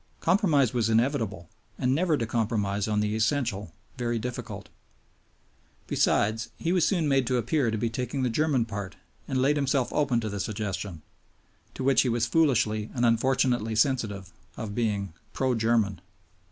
Compromise was inevitable, and never to compromise on the essential, very difficult. Besides, he was soon made to appear to be taking the German part and laid himself open to the suggestion (to which he was foolishly and unfortunately sensitive) of being "pro German."